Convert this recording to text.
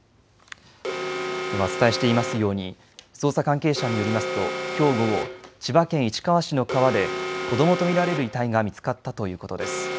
お伝えしていますように捜査関係者によりますときょう午後、千葉県市川市の川で子どもと見られる遺体が見つかったということです。